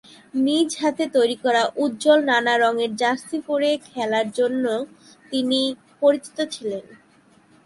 নিজ হাতে তৈরি করা উজ্জ্বল নানা রঙের জার্সি পরে খেলার জন্যও তিনি পরিচিত ছিলেন।